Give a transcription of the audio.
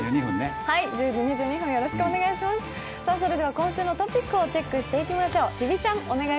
今週のトピックをチェックしていきましょう。